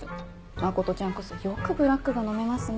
真ちゃんこそよくブラックが飲めますね。